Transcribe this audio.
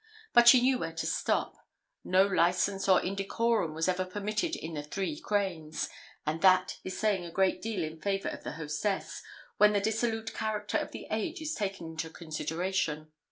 But she knew where to stop; no licence or indecorum was ever permitted at the Three Cranes; and that is saying a great deal in favour of the hostess, when the dissolute character of the age is taken into consideration.